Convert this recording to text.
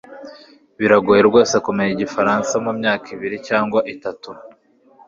biragoye rwose kumenya igifaransa mumyaka ibiri cyangwa itatu